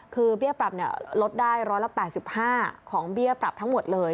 คือเบี้ยปรับลดได้๑๘๕ของเบี้ยปรับทั้งหมดเลย